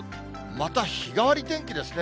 また日替わり天気ですね。